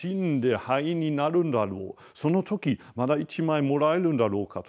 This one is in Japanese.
その時また１枚もらえるんだろうかと。